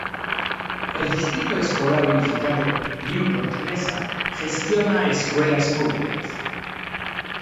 El Distrito Escolar Unificado Newport-Mesa gestiona escuelas públicas.